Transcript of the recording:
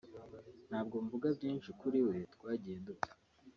ntabwo mvuga byinshi kuri we twagiye dupfa